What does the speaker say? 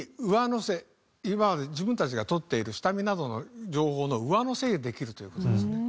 今まで自分たちが取っている下見などの情報の上乗せできるという事ですね。